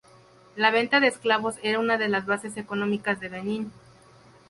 La venta de esclavos era una de las bases económicas de Benín.